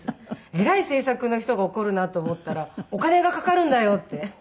えらい制作の人が怒るなと思ったらお金がかかるんだよって。